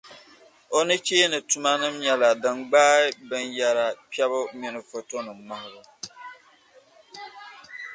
O nu'cheeni tumanima nyɛla din gbaai bin' yɛra kpebu mini fotonima ŋmahibu.